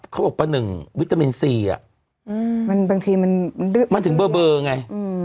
เขาบอกประหนึ่งวิตามินซีบางทีมันถึงเบอร์ไง